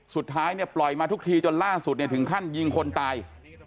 สุดท้ายปล่อยมาทุกทีจนล่างสุดถึงขั้นยิงคนตาย